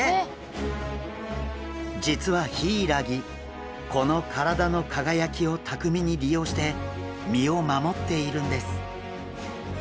実はヒイラギこの体の輝きを巧みに利用して身を守っているんです。